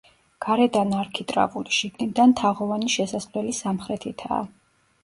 გარედან არქიტრავული, შიგნიდან თაღოვანი შესასვლელი სამხრეთითაა.